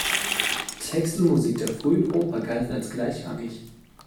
Text und Musik der frühen Oper galten als gleichrangig.